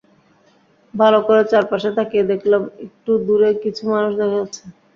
ভালো করে চারপাশে তাকিয়ে দেখলাম একটু দূরে কিছু মানুষ দেখা যাচ্ছে।